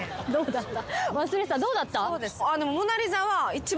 忘れてたどうだった？